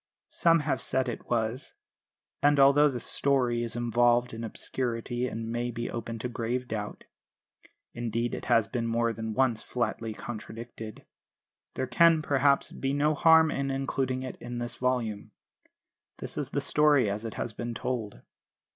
Some have said it was; and although the story is involved in obscurity and may be open to grave doubt (indeed it has been more than once flatly contradicted) there can, perhaps, be no harm in including it in this volume. This is the story as it has been told.